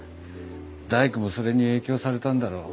大工もそれに影響されたんだろう。